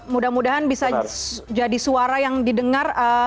mudah mudahan bisa jadi suara yang didengar